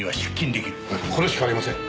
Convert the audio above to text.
これしかありません。